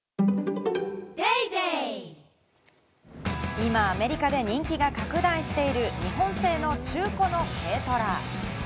今、アメリカで人気が拡大している日本製の中古の軽トラ。